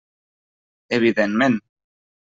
Evidentment.